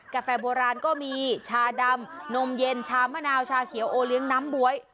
กาแฟโบราณก็มีชาดำนมเย็นชามะนาวชาเขียวโอเลี้ยงน้ำบ๊วย